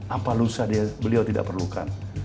apa lusa beliau tidak perlukan